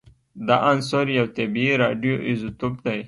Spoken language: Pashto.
دا عنصر یو طبیعي راډیو ایزوتوپ دی